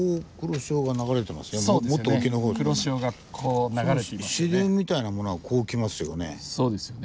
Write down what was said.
支流みたいなものはこう来ますよね。